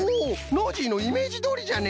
ノージーのイメージどおりじゃね！